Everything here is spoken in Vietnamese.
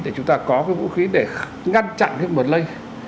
để chúng ta có cái vũ khí để ngăn chặn cái nguồn lây